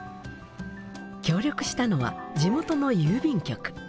協力したのは地元の郵便局。